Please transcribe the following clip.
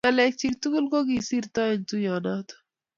Ngalekchi tugul ko kiisirto eng tuiyonoto